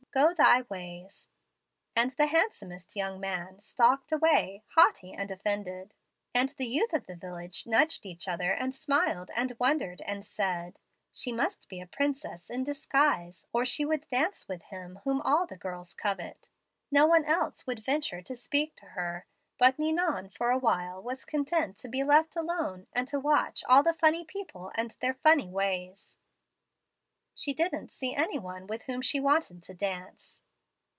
Go thy ways.' "And the handsome young man stalked away, haughty and offended; and the youth of the village nudged each other and smiled and wondered and said, 'She must be a princess in disguise, or she would dance with him whom all the girls covet.' So no one else would venture to speak to her. But Ninon for a while was content to be left alone to watch all the funny people and their funny ways. She didn't see any one with whom she wanted to dance.